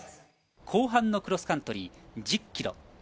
後半のクロスカントリー１０キロ。